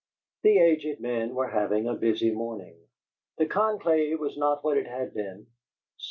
The aged men were having a busy morning. The conclave was not what it had been.